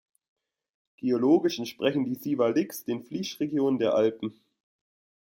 Geologisch entsprechen die Siwaliks den Flysch-Regionen der Alpen.